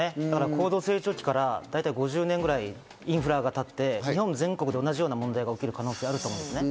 高度成長期から大体５０年ぐらいインフラがたって、日本全国で同じような問題が起きる可能性があると思いますね。